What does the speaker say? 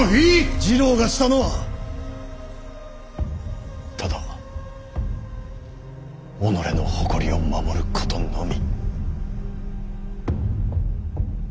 次郎がしたのはただ己の誇りを守ることのみ。